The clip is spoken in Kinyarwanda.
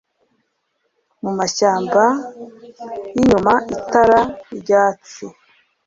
mu mashyamba yinyuma, itara ryatsi